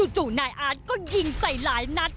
จู่นายอาร์ตก็ยิงใส่หลายนัด